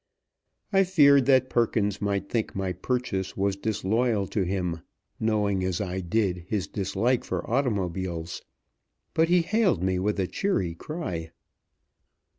I feared that Perkins might think my purchase was disloyal to him, knowing, as I did, his dislike for automobiles; but he hailed me with a cheery cry.